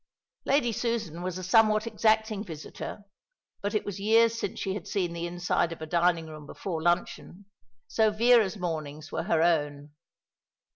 Lady Susan was a somewhat exacting visitor; but it was years since she had seen the inside of a dining room before luncheon, so Vera's mornings were her own.